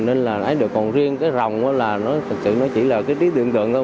nên là còn riêng cái rồng là nó thực sự nó chỉ là cái trí tưởng tượng thôi